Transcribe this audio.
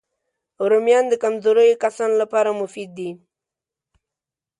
رومیان د کمزوریو کسانو لپاره مفید دي